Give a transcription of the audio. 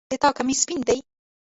د تا کمیس سپین ده